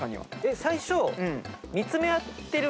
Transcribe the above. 最初。